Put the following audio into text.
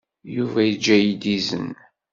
Yuba yejja-iyi-d izen.